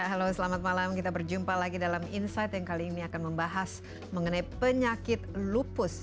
halo selamat malam kita berjumpa lagi dalam insight yang kali ini akan membahas mengenai penyakit lupus